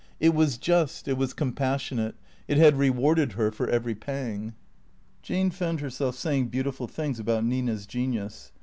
It was just, it was compassionate; it had re warded her for every pang. Jane found herself saying beautiful things about Nina's genius.